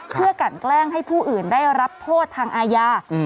เพื่อกันแกล้งให้ผู้อื่นได้รับโทษทางอาญา